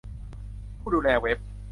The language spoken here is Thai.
ผู้ดูแลเว็บ